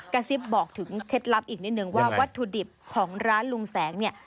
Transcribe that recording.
กระซิบบอกถึงเคล็ดลับอีกนิดนึงว่าวัตถุดิบของร้านลุงแสงเนี่ย